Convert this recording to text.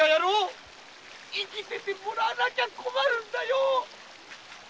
生きててもらわなきゃ困るんだよ！